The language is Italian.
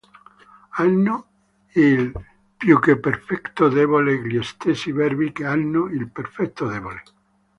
Hanno il piuccheperfetto debole gli stessi verbi che hanno il perfetto debole.